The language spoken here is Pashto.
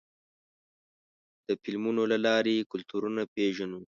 د فلمونو له لارې کلتورونه پېژنو.